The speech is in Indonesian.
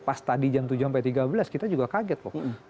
pas tadi jam tujuh sampai tiga belas kita juga kaget kok